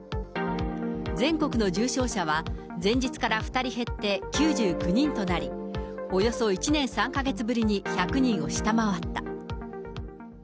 全国の重症者は前日から２人減って９９人となり、およそ１年３か月ぶりに１００人を下回った。